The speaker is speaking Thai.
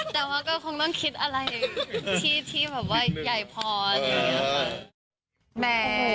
แต่ว่าก็คงต้องคิดอะไรที่แบบว่าใหญ่พออะไรอย่างนี้ค่ะ